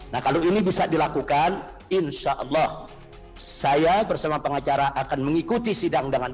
nah kalau ini bisa dilakukan insyaallah saya bersama pengacara akan mengikuti sidang dengan